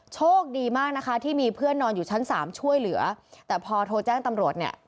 โชคดีมากนะคะที่มีเพื่อนนอนอยู่ชั้นสามช่วยเหลือแต่พอโทรแจ้งตำรวจเนี่ย